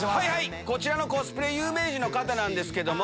こちらのコスプレ有名人の方ですけども。